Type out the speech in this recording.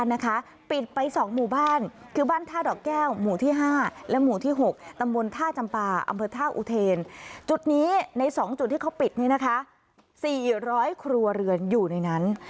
จุดนี้ใน๒จุดที่เขาปิดนี่นะคะ๔๐๐ครัวเรือนอยู่ในนั้น